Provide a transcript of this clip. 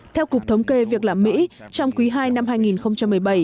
theo cục thống kê việc làm mỹ trong quý ii năm hai nghìn một mươi bảy